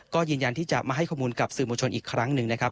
ก็ยืนยันที่จะมาให้ข้อมูลกับสื่อมวลชนอีกครั้งหนึ่งนะครับ